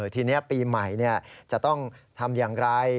ทีนี้ปีใหม่จะต้องทำอย่างไร